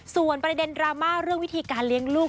ส่วนประเด็นดราม่าเรื่องวิธีการเลี้ยงลูก